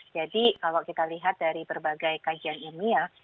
jadi kalau kita lihat dari berbagai kajian ilmiah